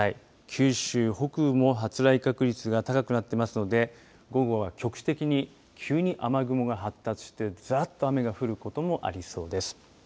九州北部も発雷確率が高くなっていますので午後は局地的に急に雨雲が発達してざっと雨が降ることもありそうです。